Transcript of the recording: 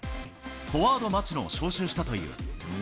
フォワード、町野を招集したという。